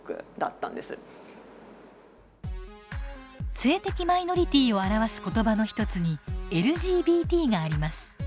性的マイノリティーを表す言葉の一つに「ＬＧＢＴ」があります。